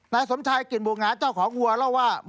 นายสมชายกลิ่นบัวหงาเจ้าของวัวเล่าว่า